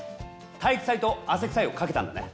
体育祭と汗くさいをかけたんだね。